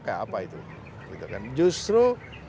kayak apa itu justru